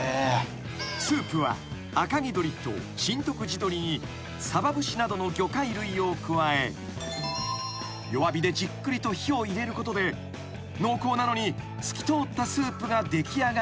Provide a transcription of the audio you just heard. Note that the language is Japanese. ［スープは赤城鶏と新得地鶏にさば節などの魚介類を加え］［弱火でじっくりと火を入れることで濃厚なのに透き通ったスープが出来上がるという］